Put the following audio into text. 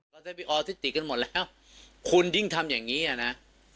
ก็ได้ไปออทิติกกันหมดแล้วคุณยิ่งทำอย่างนี้อ่ะนะ